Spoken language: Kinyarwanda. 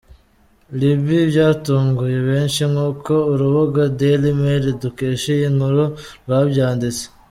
Iibi byatunguye benshi nk’uko urubuga Dailymail dukesha iyi nkuru rwabyanditse.